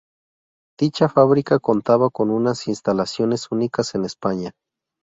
Dicha fábrica contaba con unas instalaciones únicas en España.